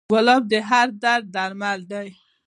ګلاب د هر درد درمل دی.